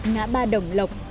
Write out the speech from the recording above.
ngã ba đồng lộc